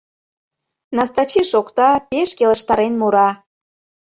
Настачи шокта, пеш келыштарен мура.